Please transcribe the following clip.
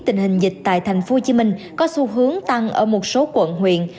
tình hình dịch tại tp hcm có xu hướng tăng ở một số quận huyện